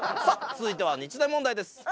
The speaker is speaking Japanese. さあ続いては日大問題です。